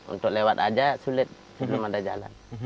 untuk lewat aja sulit sebelum ada jalan